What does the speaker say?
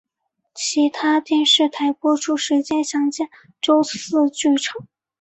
其他电视台播出时间详见周四剧场。